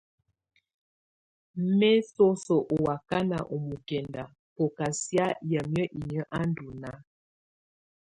Mɛ soso ù wakana ɔ́ mɔkɛnda bù kà siana yamɛ̀á inyǝ́ à ndù nàà.